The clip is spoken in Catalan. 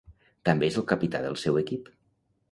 També és el capità del seu equip.